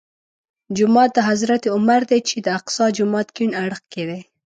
جومات د حضرت عمر دی چې د اقصی جومات کیڼ اړخ کې دی.